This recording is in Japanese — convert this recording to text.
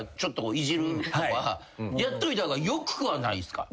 やっといた方がよくはないですか？